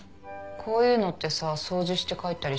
こういうのってさ掃除して帰ったりしないんだね。